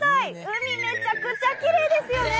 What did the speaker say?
海めちゃくちゃきれいですよね！